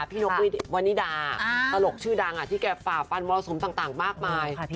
นกวันนิดาตลกชื่อดังที่แกฝ่าฟันมรสุมต่างมากมาย